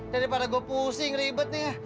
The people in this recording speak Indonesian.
daripada gue pusing ribet nih